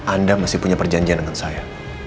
anda masih punya perjanjian dengan saya